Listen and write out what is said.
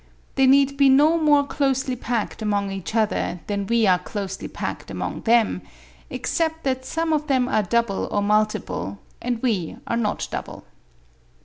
They need be no more closely packed among each other than we are closely packed among them; except that some of them are double or multiple, and we are not double.